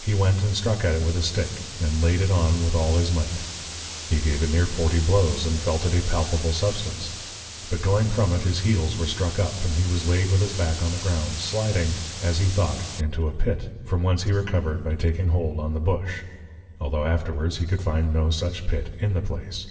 He went, and struck at it with a Stick, and laid it on with all his might. He gave it near forty blows; and felt it a palpable substance. But going from it, his Heels were struck up, and he was laid with his Back on the Ground, sliding, as he thought, into a Pit; from whence he recover'd by taking hold on the Bush; altho' afterwards he could find no such Pit in the place.